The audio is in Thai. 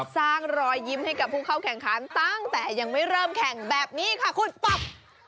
รอยยิ้มให้กับผู้เข้าแข่งขันตั้งแต่ยังไม่เริ่มแข่งแบบนี้ค่ะคุณป๊อป